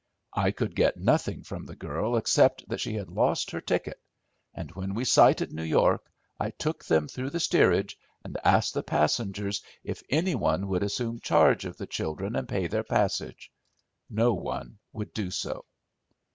I could get nothing from the girl except that she had lost her ticket; and when we sighted New York, I took them through the steerage and asked the passengers if any one would assume charge of the children and pay their passage. No one would do so.